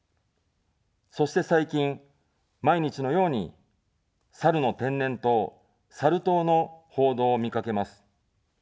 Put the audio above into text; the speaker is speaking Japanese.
そして、最近、毎日のようにサルの天然痘、サル痘の報道を見かけます。